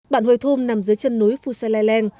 bạn hùi thum nằm dưới chân núi phu sai lai leng